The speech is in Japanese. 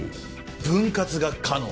分割が可能。